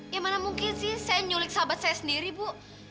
ya mana mungkin sih saya nyulik sahabat saya sendiri bu